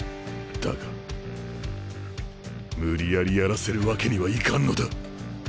だが無理やりやらせるわけにはいかんのだ！